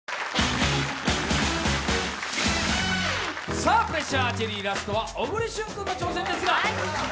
さあ「プレッシャーアーチェリー」、最後は小栗旬君の挑戦ですが。